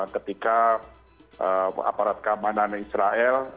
ketika aparat keamanan israel